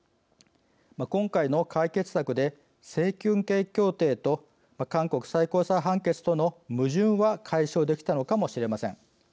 今回の解決策で、請求権協定と韓国最高裁判決との矛盾は解消できたのかもしれません。